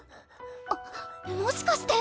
あっもしかして。